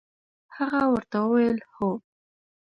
هغه ورته وویل: هو.